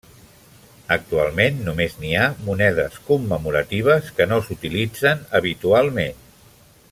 Actualment només n'hi ha monedes commemoratives que no s'utilitzen habitualment.